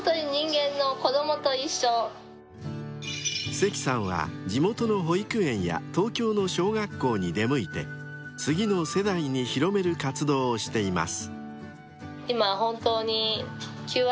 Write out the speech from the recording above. ［関さんは地元の保育園や東京の小学校に出向いて次の世代に広める活動をしています］